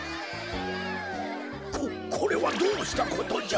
ここれはどうしたことじゃ？